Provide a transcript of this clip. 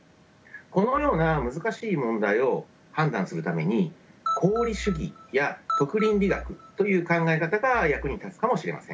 このような難しい問題を判断するために功利主義や徳倫理学という考え方が役に立つかもしれません。